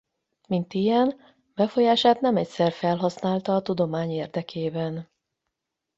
Mint ilyen befolyását nem egyszer felhasználta a tudomány érdekében.